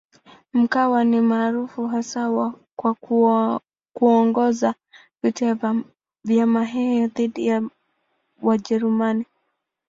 Mkwawa ni maarufu hasa kwa kuongoza vita vya Wahehe dhidi ya Wajerumani.